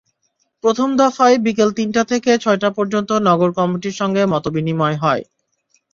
প্রথম দফায় বিকেল তিনটা থেকে ছয়টা পর্যন্ত নগর কমিটির সঙ্গে মতবিনিময় হয়।